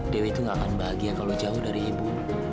dewi itu gak akan bahagia kalau jauh dari ibu